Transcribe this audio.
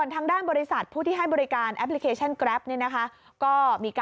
ตกงานปั๊บขอบคุณความดี